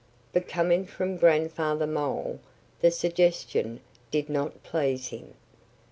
But coming from Grandfather Mole the suggestion did not please him.